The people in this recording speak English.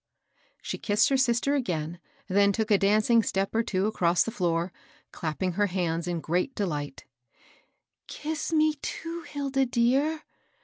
She kissed her sister again ; then took a dancing step or two across the floor, clapping her hands in great delight ^^ Kiss me, too, Hilda dear